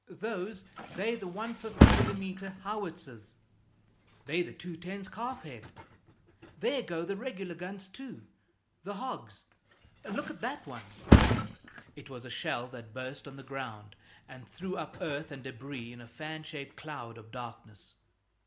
"Those, they're the 150 mm. howitzers." "They're the 210's, calf head." "There go the regular guns, too; the hogs! Look at that one!" It was a shell that burst on the ground and threw up earth and debris in a fan shaped cloud of darkness.